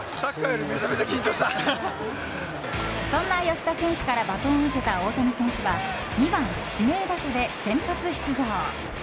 そんな吉田選手からバトンを受けた大谷選手は２番指名打者で先発出場。